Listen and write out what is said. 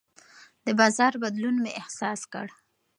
د بازار بدلون مې احساس کړ.